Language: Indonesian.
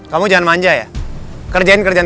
kamu jangan manja ya